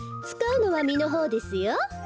つかうのはみのほうですよ。